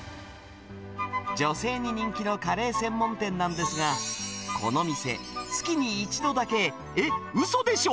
女性に人気のカレー専門店なんですが、この店、月に１度だけ、えっ、うそでしょ？